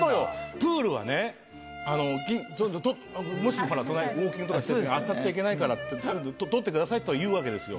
プールはねもし隣でウオーキングとかしてるときに当たっちゃいけないからって「取ってください」とは言うわけですよ。